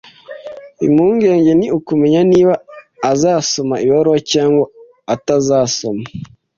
Impungenge ni ukumenya niba azasoma ibaruwa cyangwa atazasoma